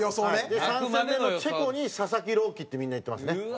で３戦目のチェコに佐々木朗希ってみんな言ってますね。